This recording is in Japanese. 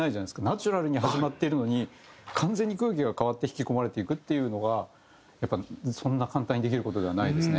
ナチュラルに始まってるのに完全に空気が変わって引き込まれていくっていうのがやっぱそんな簡単にできる事ではないですね。